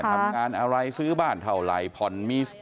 ทำการอะไรซื้อบ้านเท่าไหร่